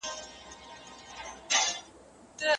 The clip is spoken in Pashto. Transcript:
یوه شېبه دي له رقیبه سره مل نه یمه